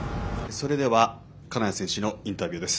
それでは金谷選手のインタビューです。